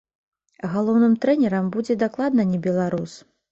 Галоўным трэнерам будзе дакладна не беларус.